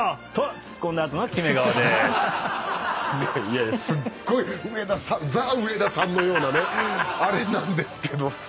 いやいやすっごいザ・上田さんのようなねあれなんですけど。